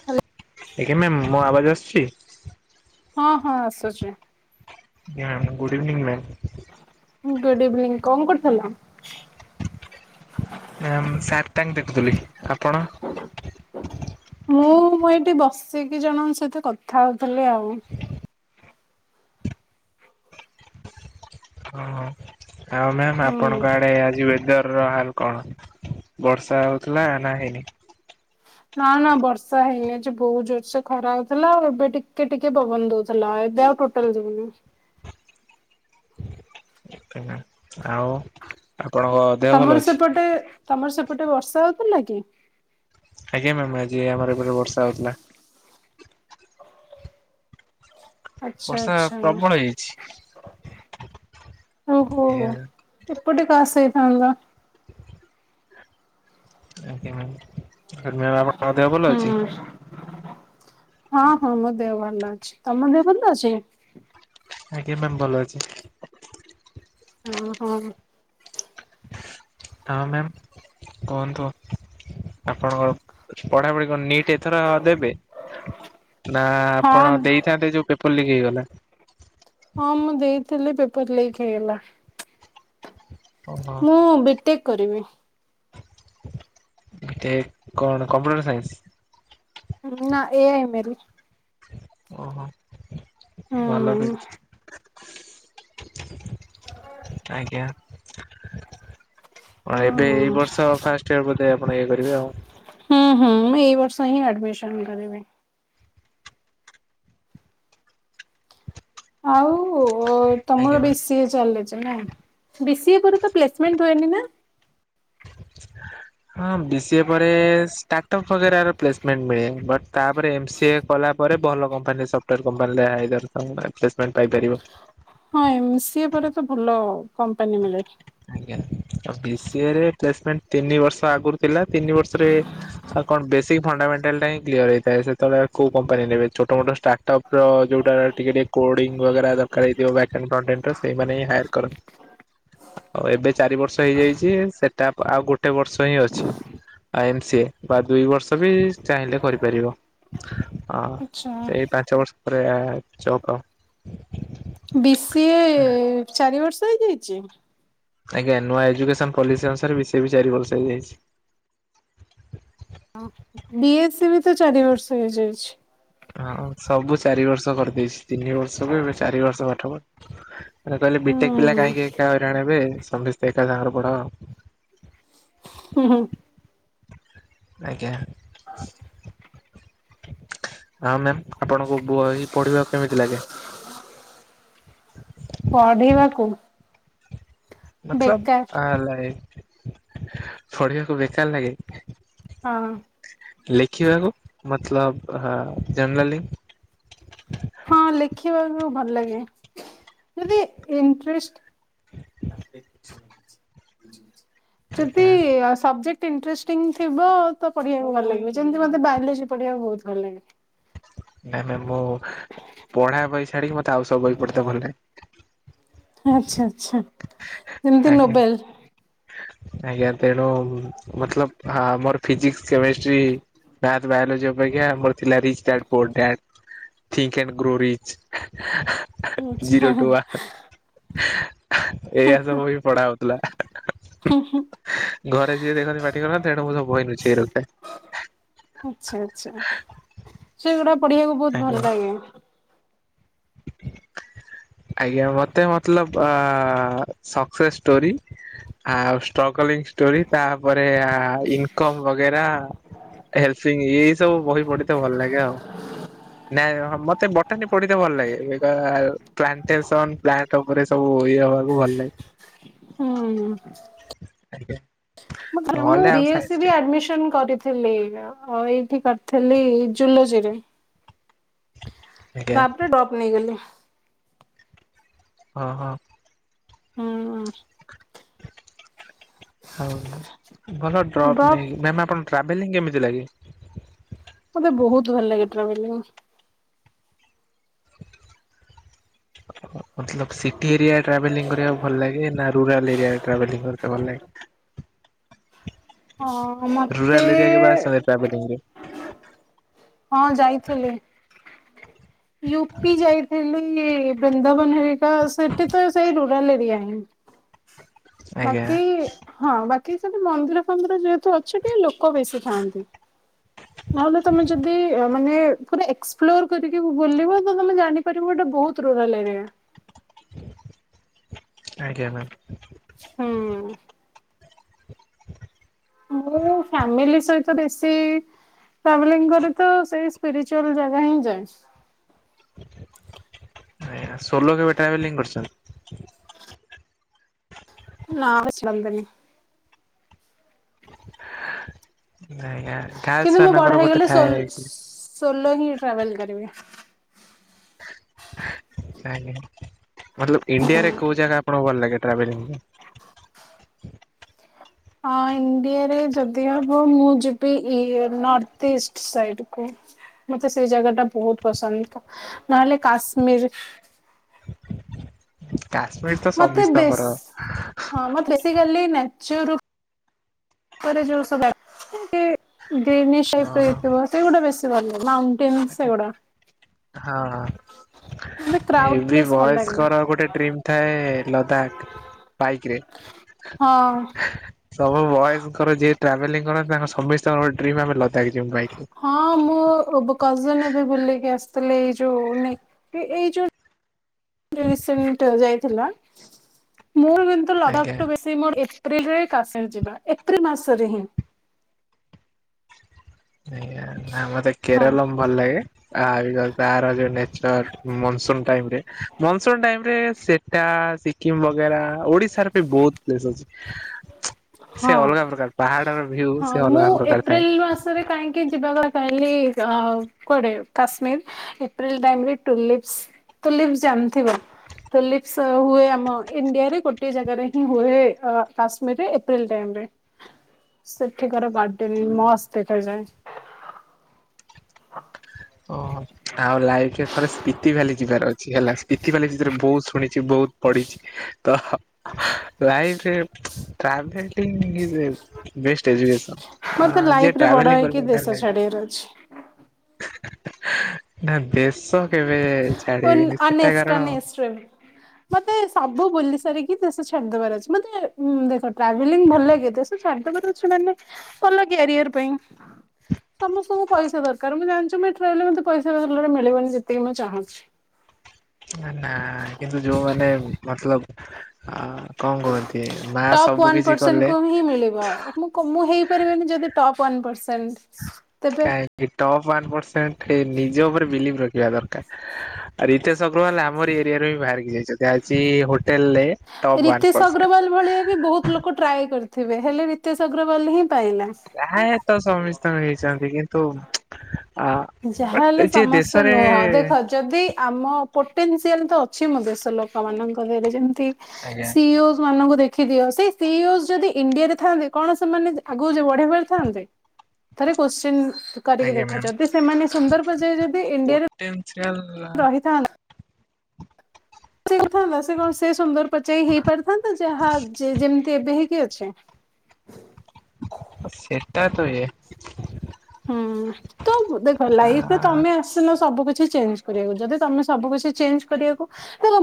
Hello. ଆଜ୍ଞା ma'am! ମୋ ଆବାଜ୍ ଆସ୍ଚି। ହଁ ହଁ ଆସୁଚି। ଆଜ୍ଞା। Good evening ma'am. Good evening. କଣ କରୁଥିଲ? ମ୍ୟାମ୍ ସାର୍ ତାଙ୍କ୍ ଦେଖୁଥିଲି। ଆପଣ। ମୁଁ, ମୁଁ ଏଇଠି ବସିକି ଜଣଙ୍କ ସହିତ କଥା ହଉଥିଲି ଆଉ। ଓ ହୋ। ଆଉ ମ୍ୟାମ୍ ହୁଁ। ଆପଣଙ୍କ ଆଡେ ଆଜି ୱଦର୍ ର ହାଲ୍ କଣ? ବର୍ଷା ହଉଥିଲା ନା ହେଇନି। ନା ନା ବର୍ଷା ହେଇନି। ଆଜି ବହୁତ ଜୋରସ ଖରା ହଉଥିଲା। ଆଉ ଏବେ ଟିକେ ଟିକେ ପବନ ଦଉଥିଲା। ଏବେ ଆଉ ଟୋ [unintelligible] ଆଉ ଆପଣଙ୍କ ଦେହ ଭଲ ତମର ଅଛି? ସେପଟେ, ତମର ସେପଟେ ବର୍ଷା ହଉଥିଲା କି? ଆଜ୍ଞା ମ୍ୟାାମ୍। ଆଜି ଆମର ଏପଟେ ବର୍ଷା ହଉଥିଲା। ଆଚ୍ଛା ବର୍ଷା ଆଚ୍ଛା। ପ୍ରବଳ ହେଇଛି। [unintelligible] [unintelligible] ଏପଟେ କାସ୍ ହେଇଥାନ୍ତା। ଆଜ୍ଞା ମ୍ୟାାମ୍। ଆପଣଙ୍କ ଦେହ ପାଗ ଭଲ ହୁଁ ଅଛି? ହଁ ହଁ ମୋ ଦେହ ଭଲ ଅଛି। ତମ ଦେହ ଭଲ ଅଛି? ଆଜ୍ଞା ମ୍ୟାମ୍। ଭଲ ଅଛି! ଓଁ ହୋ। ଆଉ ମ୍ୟାମ୍ କୁହନ୍ତୁ। ଆପଣଙ୍କର ପଢାପଢି କଣ ନିଟ୍? ଏଥର ଦେବେ, ନା ହଁ ଆପଣ ଦେଇଥାନ୍ତେ ଯୋଉ ପେପର ଲିକ୍ ହେଇଗଲା? ହଁ ମୁଁ ଦେଇଥିଲି ପେପର ଲିକ୍ ହେଇଗଲା। ଓହୋ। ମୁଁ ବିଟେକ୍ କରିବି। ବିଟେକ୍, କଣ କମ୍ପ୍ୟୁଟର ସାଇନ୍ସ୍? ନା ଏ ଆଇ ଏମ୍ଏଲ୍। ଓହୋ ଭଲ ବି। ହୁଁ ଆଜ୍ଞା। ହଁ ହଁ ଏବେ, ଏଇ ବର୍ଷ ଫାଷ୍ଟ ଇୟରେ ବୋଧେ ଆପଣ ଇଏ କରିବେ ଆଉ? ହୁଁ ହୁଁ ମୁଁ ଏଇ ବର୍ଷ ହିଁ ଆଡମିସନ କରିବି। ଆଉ ଆଜ୍ଞା ତମର ବି ବି ମ୍ୟାମ୍। ସି ଏ ଚାଲିଛି ନାଇଁ, ବି ସି ଏ ପରେ ତ ପ୍ଲେସମେଣ୍ଟ ରୁହେନି ନା। [unintelligible] ହଁ ବି ସିଏ ପରେ ଷ୍ଟାର୍ଟ ଅପ୍ ବଗେରା ର ପ୍ଲେସମେଣ୍ଟ ମିଳେ, ବଟ୍ ତାପରେ ଏମ ସି ଏ କଲା ପରେ ଭଲ କମ୍ପାନୀ ସଫ୍ଟୱେର କମ୍ପାନୀ ଆଇଦର୍ ଆସେମଣ୍ଟ ପାଇପାରିବ। ହଁ ଏମ ସି ଏ ପରେ ତ ଭଲ କମ୍ପାନୀ ମିଳେ। ବି ସି ଏ ରେ ପ୍ଲେସମେଣ୍ଟ ତିନି ବର୍ଷ ଆଗରୁ ଥିଲା, ତିନି ବର୍ଷରେ ଆଉ କଣ ବେସିକ ଫଣ୍ଡାମେଣ୍ଟାଲ ଟା ହିଁ କ୍ଲିୟର ହେଇଥାଏ, ସେତବେଳେ କୋଉ କମ୍ପାନୀ ନେବେ ଛୋଟୋ ମୋଟ ଷ୍ଟାର୍ଟପ୍ ଯୋଉଟା ଟିକେ ଟିକେ କୋଡିଙ୍ଗ ବଗେରା ଦରକାର ହେଇଥିବ [unintelligible] ସେଇମାନେ ହିଁ ହାଏର କରନ୍ତି। ଆଉ ଏବେ ଚାରି ବର୍ଷ ହେଇଯାଇଛି, ସେଟା ଆଉ ଗୋଟେ ବର୍ଷ ହିଁ ଅଛି। ଆ ଏମ ସି ଏ, ବା ଦୁଇ ବର୍ଷ ବି ଚାହିଁଲେ କରିପାରିବ। ହଁ ଆଛା ଏଇ ପାଞ୍ଚ ବର୍ଷ ପରେ ଜବ ଆଉ। ବି ସି ଏ ଚାରି ବର୍ଷ ହେଇଯାଇଛି? ଆଜ୍ଞା ନୂଆ ଏଜୁକେସନ ପଲିସି ଅନୁସାରେ ବି ସି ଏ ଚାରି ବର୍ଷ ହେଇଯାଇଛି। ବି ଏ ସି ବି ତ ଚାରି ବର୍ଷ ହେଇଯାଇଛି। ହଁ ସବୁ ଚାରି ବର୍ଷ କରିଦେଇଛି, ତିନି ବର୍ଷକୁ ଏବେ ଚାରି ବର୍ଷ ପାଠ ପଢ଼ା। ମାନେ କହିଲେ ବି ଟେକ ପିଲା କାହିଁକି ହୁଁ ଏକା ହଇରାଣ ହେବେ, ସମସ୍ତେ ଏକା ସାଙ୍ଗର ପଢ଼ ଆଉ। ହୁଁ ହୁଁ। ଆଜ୍ଞା। ଆଉ ମ୍ୟାମ ଆପଣଙ୍କୁ ବହି ପଢିବାକୁ କେମିତି ଲାଗେ? ପଢିବାକୁ। ବେକାର ମତଲବ ଆ ଲାଇ ପଢିବାକୁ ବେକାର ଲାଗେ। ହଁ। ଲେଖିବାକୁ ମତଲବ ଯେନରାଲି? ହଁ ଲେଖିବାକୁ ଭଲ ଲାଗେ ଯଦି ଇଣ୍ଟରେଷ୍ଟ ଯଦି ଆଜ୍ଞା ସବଜେକ୍ଟ ଇଣ୍ଟରେଷ୍ଟିଂ ଥିବ ତ ପଢିବାକୁ ଭଲ ଲାଗିବ। ଯେମିତି ମୋତେ ବାଇଲୋଜି ପଢ଼ିବାକୁ ବହୁତ ଭଲ ଲାଗେ। ନାଇଁ ମ୍ୟାମ୍ ମୁଁ ପଢା ବହି ଛାଡିକି, ମତେ ଆଉ ସବୁ ବହି ପଢେତ ଭଲ ଲାଗେ। ଆଚ୍ଛା ଆଚ୍ଛା ଯେମିତି ଆଜ୍ଞା ନୋବାଇଲ୍ ଆଜ୍ଞା ତେଣୁ ମତଲବ ମୋର ଫିଜିକସ, କେମିଷ୍ଟ୍ରି ମାଥ, ବାୟୋଲୋଜି ଅପେକ୍ଷା ଆମର ଥିଲା [unintelligible] ଆଚ୍ଛା ଜିରୋ ଟୁ ୱାନ ଏଇଆ ତ ବହି ପଢା ହଉଥିଲା। ଘରେ ଯିଏ ଦେଖନ୍ତି ପାଟି କରନ୍ତି ତେଣୁ ମୁଁ ସବୁ ବହି ଲୁଚେଇ ରଖେ। ଆଛା ଆଛା ସେଗୁଡା ପଢିବାକୁ ବହୁତ ଆଜ୍ଞା। ଭଲ ଲାଗେ। ଆଜ୍ଞା ମତେ ମତଲବ ସକ୍ସେସ୍ ଷ୍ଟୋରି ଆଉ ଷ୍ଟର୍ଗଲିଂ ଷ୍ଟୋରି, ତାପରେ ଇନକମ୍ ବଗେରା ଲ ଏଇ ସବୁ ବହି ପଢିତେ ଭଲ ଲାଗେ ଆଉ ନାଇ ମତେ ନି ପଢିତେ ଭଲ ଲାଗେ। ପ୍ଲାଣ୍ଟେଶନ, ପ୍ଲାଣ୍ଟ ଉପରେ ସବୁ ଇଏ ହବାକୁ ଭଲ ଲାଗେ। ହୁଁ। ଆଜ୍ଞା। ମୁଁ ନହେଲେ ଆଉ ବି ଏସ୍ ସି ସାଇନ୍ସରେ ବି ଆଡମିନ କରିଥିଲି। ଥିଲ ଆଉ ଏଇଠି କରିଥିଲି ଜୁଲଜିରେ। ଆଜ୍ଞା ବାପରେ ଡପ୍ ନେଇଗଲି। ହଁ ହଁ। ହୁଁ ହୁଁ। ହଉ ଭଲ ଡ୍ରପ୍ ନେଇକି ମ୍ୟାମ୍ ଆପଣ ଟ୍ରାଭେଲିଂ କେମିତି ଲାଗେ? ମତେ ବହୁତ ଭଲ ଲାଗେ ଟ୍ରାଭେଲିଂ। [unintelligible] ମତଲବ ସିଟି ଏରିଆରେ ଟ୍ରାଭେଲିଂ କରିବାକୁ ଭଲ ଲାଗେ ନା ରୁରାଲ ଏରିଆରେ ଟ୍ରାଭେଲିଂ କରିବାକୁ ଭଲ ଲାଗେ? ହଁ ମ। ରୁରାଲ ଏରିଆ କେବେ ଆସ [inaudible] ଟ୍ରାଭେଲିଂ ରେ। ହଁ ଯାଇଥିଲି। ୟୁ ପି ଯାଇଥିଲି ବୃନ୍ଦାବନ ହେରିକା ସେଠି ତ ସେଇ ରୁରାଲ ଏରିଆ ହିଁ। ଆଜ୍ଞା ବାକି ହଁ ବାକି ସବୁ ମନ୍ଦିର ଫନ୍ଦିର ଯେହେତୁ ଅଛି ଟିକେ ଲୋକ ବେଶୀ ଥାଆନ୍ତି। ନହେଲେ ତମେ ଯଦି ମାନେ ପୁରା ଏକ୍ସ ପ୍ଲୋର କରି କି ବୁଲିବ ତ ତମେ ଜାଣିପାରିବ ଗୋଟେ ବହୁତ ରୁରାଲ୍ ଏରିଆ। ଆଜ୍ଞା ମ୍ୟାମ୍। ହୁଁ। ମୁଁ ଫାମିଲି ସହିତ ବେଶୀ ଟ୍ରାଭେଲିଂ କରେତ ସେଇ ସ୍ପିରିଚୁଆଲ ଜାଗା ହିଁ ଯାଏ। ଆଜ୍ଞା ସୋଲ କେବେ ଟ୍ରାଭେଲିଂ କରିଛନ୍ତି? ନାଁ ଆସିବନ୍ତିନି। ଆଜ୍ଞା କିନ୍ତୁ ତାସ ମୁଁ ବଡ ମାନଙ୍କର ହେଇଗଲେ ଗୋଟେ ସୋଲ ଥାଏ। ସୋଲୋ ହିଁ ଟ୍ରାଭେଲ କରିବି। ମତଲବ ଇଣ୍ଡିଆରେ କୋଉ ଜାଗା ଆପଣଙ୍କୁ ଭଲ ଲାଗେ ଟ୍ରାଭେଲିଂ? ହଁ ଇଣ୍ଡିଆରେ ଯଦି ହବ ମୁଁ ଯିବି ଇ ନର୍ଥ ଇଷ୍ଟ ସାଇଟକୁ। ମତେ ସେଇ ଜାଗା ଟା ବହୁତ ପସନ୍ଦ ନହେଲେ କାଶ୍ମୀର। କାଶ୍ମୀର ତ ମତେ ସବିସ୍ତ ବେଶ ଙ୍କର। ହଁ ମେ ବେସିକଲି ନେଚୁରୁ [unintelligible] ଟେନ୍ସ ଓହୋ ସେଗୁଡା। ହଁ। ମତେ ଏ କ୍ରାଉଡ ବି ପ୍ଲେସ୍ ଭଲ ଲାଗେନି ବୟସ୍କର ଗୋଟେ ଡ୍ରିମ୍ ଥାଏ ଲଦାଖ। ବାଇକ ରେ। ହଁ। ସବୁ ବୟସଙ୍କର ଯିଏ ଟ୍ରାଭେଲିଂ କରନ୍ତି ତାଙ୍କ ସମସ୍ତଙ୍କ ଡ୍ରିମ ଆମେ ଲଦାଖି ଯିବୁ ବାଇକରେ। ହଁ ମୁଁ କଜନ ଏବେ ବୁଲିକି ଆସିଥିଲି ଏଇ ଯୋଉ ନେଇ ଏଇ ଯୋଉ ରିସେଣ୍ଟ ଯାଇଥିଲା ମୋର କିନ୍ତୁ ଆଜ୍ଞା ଲଦାଖୁ ବେଶ ମୋର ଏପ୍ରିଲରେ କାଶ୍ମୀର ଯିବା ଏପ୍ରିଲ ମାସରେ ହିଁ। ଆଜ୍ଞା ନା ମତେ ହଁ କେରଳମ୍ ଭଲ ଲାଗେ ଆ ନେଚୁରାଲ ମୋନ୍ସନ ଟାଇମରେ ମୋନସନ ଟାଇମ୍ରେ ସେଟା କିମ୍ ବଗେରା ଓଡିଶାର ବି ବହୁତ ପ୍ଲେସ୍ ଅଛି ସେ ହଁ। ଅଲଗା ପ୍ରକାର ପାହାଡର ଭିଉ। ହଁ ସେ ମୁଁ ଅଲଗା ପ୍ରକାର ଥାଏ। ଏପ୍ରିଲ ମାସରେ କାହିଁକି କି ଯିବା ପାଇଁ କାଇଲି କୁଆଡେ କାଶ୍ମୀର ଏପ୍ରିଲ ଟାଇମ ରେ ଟୁଲିପସ ତୁଳିଫ ଜାନଥିବ? ତୁଳିଫସ ହୁଏ ଆମ ଇଣ୍ଡିଆରେ ଗୋଟେ ଜାଗାରେ ହିଁ ହୁଏ କାଶ୍ମୀରରେ ଏପ୍ରିଲ ଟାଇମରେ। ସେଠିକାର ଗାର୍ଡେନ ମସ୍ତ ଦେଖା ଯାଏ। ଓହ ଆଉ ଲାଇଫ ଥରେ ସ୍ପିତି ଫାଲି ଯିବାର ଅଛି ହେଲା। ସ୍ପିତି ବାଲି ଭିତରେ ବହୁତ ଶୁଣିଛି ବହୁତ ପଢିଛି ତ ଲାଇଫ ରେ travelling is a best education. ଆଁ ଯିଏ ଟ୍ରାଭେଲିଂ କରିପାଇଲା ଲାଇ ରଛି [unintelligible] ନା ଦେଶ କେବେ ଅନ୍ ଛାଡିବିନି ସେଟା ଅନେଷ୍ଟ ଅନ କାରଣ ଏଷ୍ଟ ର [unintelligible] ମତେ ସବୁ ବୁଲି ସାରିକି ଦେଶ ଛାଡିଦବାର ଅଛି ମତେ ଦେଖ ଟ୍ରାଭେଲିଂ ଭଲ ଲାଗେ ଦେ ଛାଡ଼ିଦେବାର ଅଛି ମାନେ ଭଲ କ୍ୟାରିଅର ପାଇଁ। ସମସ୍ତଙ୍କୁ ପଇସା ଦରକାର ମୁଁ ଜାଣିଚି ମୁଁ ଏଠି ରହଲେ ମତେ ପଇସା ଭଲରେ ମିଳିବନି ଯେତିକି ମୁଁ ଚାହୁଁଛି। ନା କିନ୍ତୁ ଯୋଉମାନେ ମତଲବ ଅ କଣ କୁହନ୍ତି ମା ଟପ୍ ସବୁ ୱାନ୍ କିଛି ପରସେଣ୍ଟକୁ କଲେ ହିଁ ମିଳିବ। ମୁଁ କୋ ମୁଁ ହେଇପାରିବିନି ଯଦି ଟପ୍ ୱାନ ପର୍ସେଣ୍ଟ। କାହିଁକି ଟପ୍ ୱାନ ପରସେଣ୍ଟ ନିଜ ଉପରେ ବିଲିଭ ରଖିବା ଦରକାର। ରିତେସ ଅଗ୍ରୱାଲ ଆମରି ଏରିଆରୁ ହିଁ ବାହାରିକି ଯାଇଛନ୍ତି ଆଜି ହୋଟେଲ ଲେ ରିତେଶ ଅଗ୍ରୱାଲ ଭଳିଆ ବି ବହୁତ ଲୋକ ଟ୍ରାଏ କରିଥିବେ ହେଲେ ରିତେଶ ଅଗ୍ରୱାଲ ହିଁ ପାଇଲା। ଯାହା ହେତ ସମୀସ୍ତଙ୍କ ହେଇଚନ୍ତି କିନ୍ତୁ ଆ ବଟ୍ ଯାହାହଲେ ଯେ ସମସ୍ତେ ଦେଶରେ ନୁହଁ ଦେଖ ଯଦି ଆମ ପୋଟେନ୍ସିଆଲ୍ ତ ଅଛି ମୋ ଦେଶ ଲୋକମାନଙ୍କରେ ଯେମତି ଆଜ୍ଞା ସିଓଜ ମାନଙ୍କୁ ଦେଖ ଦେଖି ଦିଅ ସେ ସିଓସ ଯଦି ଇଣ୍ଡିଆରେ ଥାନ୍ତେ କଣ ସେମାନେ ଆଗ ବଢେଇ ପରିଥାନ୍ତେ? ଥରେ କ୍ଵଶ୍ଚିନ୍ କରିକି ଆଜ୍ଞା ଦେଖ ମ୍ୟାମ୍। ଯଦି ସେମାନେ ସୁନ୍ଦର ପର୍ଯ୍ୟାୟ ଯଦି ଇଣ୍ଡିଆରେ ପୋଟେନ୍ସିଆଲ [inaudible] ରହିଥା ସେ କଥାନ୍ତା ସେ କଣ ସେ ସୁନ୍ଦର ପଚାର ହେଇ ପାରିଥାନ୍ତା ଯାହା ଯେମିତି ଏବେ ହେଇକି ଅଛି? ସେଟା ତ ଇଏ ହୁଁ। ତ ଦେଖ ଆ ଲାଇଫରେ ତମେ ଆସିନ ସବୁ କିଛି ଚେଞ୍ଜ କରିବାକୁ ଯଦି ତମେ ସବୁ କିଛି ଚେଞ୍ଜ କରିବାକୁ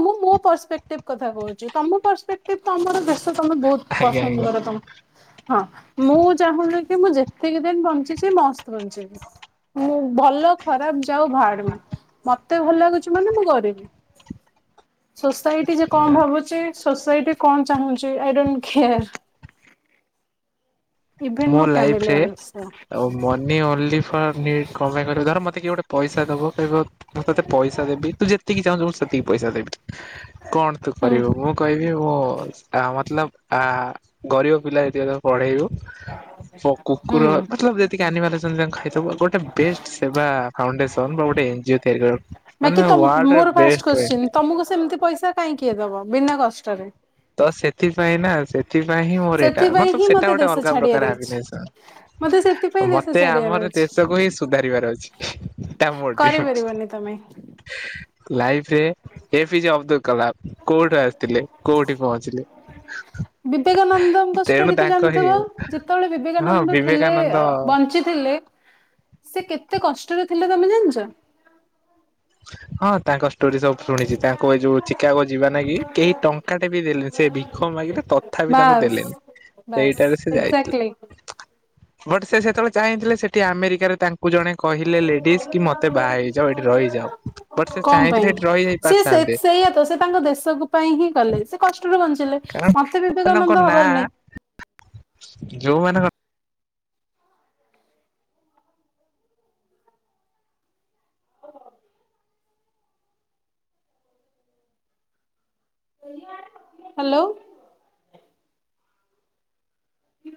ମୁଁ ମୋ ପରସେଫ୍ଟିକ କଥା କହୁଛି ତମ ପର୍ସପେକ୍ଟ ସେ [unintelligible] ତ ତମର ଦୋଶ ତମେ ବହୁତ ଆଜ୍ଞା ପସନ୍ଦ କର ତମେ ହଁ ମୁଁ ଚାହୁଁନି କି ମୁଁ ଯେତିକି ଦିନ ବଞ୍ଚିଛି ମସ୍ତ ବଞ୍ଚିବି ମୁଁ ଭଲ ଖରାପ ଯାଉ ଭାଡ ମେ ମତେ ଭଲ ଲାଗୁଛି ମାନେ ମୁଁ କରିବି। ସୋସାଇଟି ଯେ କଣ ଆଜ୍ଞା। ଭାବୁଚି ସୋସାଇଟି କଣ ଚାହୁଁଚି ଆଇ ଡୋଣ୍ଟ କେୟାର। ଇଭେନ୍ ମୋ ଲାଇଫ ଫ୍ୟାମିଲି ରେ ଅଲସୋ ଓ ମନି ଓଲି ଫ ନିଡ କ ପାଇଁ କହିଲ ଧର ମତେ କିଏ ଗୋଟେ ପଇସା ଦବ କହିବ ମୁଁ ତତେ ପଇସା ଦେବି ତୁ ଯେତିକି ଚାହୁଁଛୁ ମୁଁ ସେତିକି ପଇସା ଦେବି କଣ ତୁ ହୁଁ କରିବୁ ମୁଁ କହିବି ମୁଁ ମତଲବ ଆ ଗରିବ ପିଲା ଜେତିକ ତାକୁ ପଢେଇବୁ ହ ଫ କୁକୁର ମତଲବ ଯେ ସେତିକି [unintelligible] ଆଣିବାର ତା ଖାଇଥିବୁ ଗୋଟେ ବେଷ୍ଟ ସେବା ଫାଉଣ୍ଡେସନ ବା ଗୋଟେ ଏନଜିୟୋ ତିଆରି କରିବା ବାକି ତମ ମୋର ଫାଷ୍ଟ କୋଶ୍ଚିନ୍ ତମକୁ ସେମିତି ପଇସା କାହିଁ କିଏ ଦବ ବିନା କଷ୍ଟରେ? ତ ସେଥିପାଇଁ ନା ସେଥିପାଇଁ ହିଁ ମୋର ଏଇଟା ସେଥିପାଇଁ ମତଲବ ହିଁ ସେଟା ମତେ ଗୋଟେ ଦେଶ ଅଲଗା ଛାଡିବାର ପ୍ରକାର ଅଛି। ମତେ ସେଥିପାଇଁ [unintelligible] ଦେଶ ମତେ ଛାଡିବାର ଆମର ଅଛି ଦେଶକୁ ହିଁ ସୁଧାରିବାର ଅଛି। ତା ମୋଟିଭ କରିପାରିବନି ତମେ। ଲାଇଫରେ ଏପିଜେ ଅବଦୁଲ କଲାମ କୋଉଠୁ ଆସିଥିଲେ କୋଉଠି ପହଞ୍ଚିଲେ। ବିବେକାନନ୍ଦଙ୍କ ତେଣୁ ଷ୍ଟୋରି ତ ତାଙ୍କ ହେଇ ଜାଣିଥିବ ଯେତେବେଳେ ହଁ ବିବେକାନନ୍ଦ ଥିଲେ ବିବେକାନନ୍ଦ ବଞ୍ଚିଥିଲେ ସେ କେତେ କଷ୍ଟରେ ଥିଲେ ତମେ ଜାଣିଛ? ହଁ ତାଙ୍କ ଷ୍ଟୋରି ସବୁ ଶୁଣିଛି ତାଙ୍କୁ ଏଇ ଯୋଉ [unintelligible] ଯିବା ଲାଗି କେହି ଟଙ୍କା ଟେ ବି ଦେଲେ ସେ ବିକ ମାଗିଲେ ତଥାପି ତାଙ୍କୁ ବାସ୍ ଦେଲ ବାସ୍ ସେଇଟାରେ ସେ ଏକ୍ଜାକ୍ଟଲି ଯାଇଥିଲେ ବଟ ସେ ସେତେବେଳେ ଚାଇଥିଲେ ସେଠି ଆମେରିକାରେ ତାଙ୍କ ତାଙ୍କୁ ଜଣେ କହିଲେ ଲେଡିଜ କି ମତେ ବାହା ହେଇଯାଅ ଏଠି ରହିଯାଅ। ବଟ୍ ସେ କଣ ପାଇଁ ଚାହିଁଥିଲେ ଏଠି ରହିଯାଇ ସେ ପାରିଥାନ୍ତେ ସେଇଆ ତ ସେ ତାଙ୍କ ଦେଶ ପାଇଁ ହିଁ କଲେ ସେ କଷ୍ଟରେ ବଞ୍ଚିଲେ। କାରଣ ମତେ ମାନଙ୍କ ବିବେକାନନ୍ଦ ନାଁ ହବାର ନାଇଁ ଯୋଉମାନଙ୍କ ହେଲୋ। ହୁଁ।